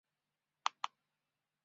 次元刀拔杂草